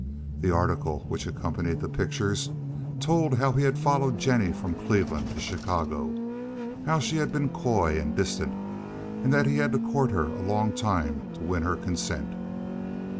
The article which accompanied the pictures told how he had followed Jennie from Cleveland to Chicago, how she had been coy and distant and that he had to court her a long time to win her consent.